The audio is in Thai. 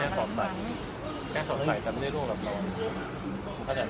แค่สอดใส่แต่ไม่ได้ร่วงหลับนอน